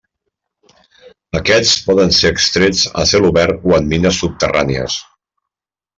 Aquests poden ser extrets a cel obert o en mines subterrànies.